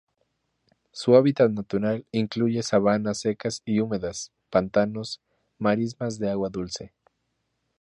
Su hábitat natural incluye sabanas secas y húmedas, pantanos, marismas de agua dulce.